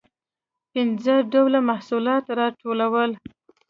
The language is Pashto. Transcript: پنځه ډوله محصولات راټولول.